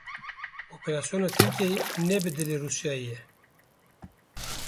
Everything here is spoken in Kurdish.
Operasyona Tirkiyeyê ne bi dilê Rûsyayê ye.